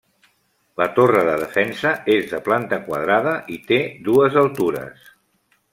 La torre de defensa és de planta quadrada i té dues altures.